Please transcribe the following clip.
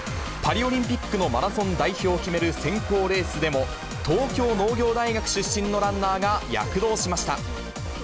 パリオリンピックのマラソン代表を決める選考レースでも、東京農業大学出身のランナーが躍動しました。